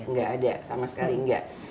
tidak ada sama sekali tidak